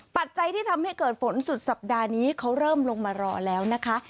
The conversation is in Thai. ปัจจัยที่ทำให้เกิดฝนสุดสัปดาห์นี้เขาเริ่มลงมารอแล้วนะคะ